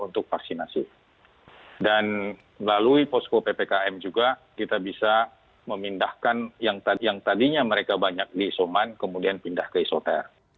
dan melalui posko ppkm juga kita bisa memindahkan yang tadinya mereka banyak di isoman kemudian pindah ke isoter